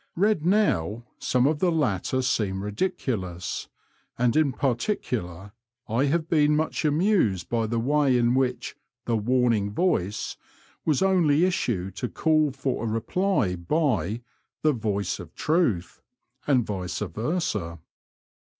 Eead now, some of the latter seem ridiculous, and in particular I have been much amused by the way in which The Warning Voice " was only issued to call for reply by The Voice of Truth," and lice versa.